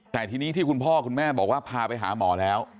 แต่ทีนี้ที่คุณพ่อคุณแม่บอกว่าพาไปหาหมอแล้ว